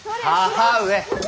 母上！